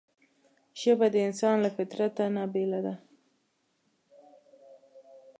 ژبه د انسان له فطرته نه بېله ده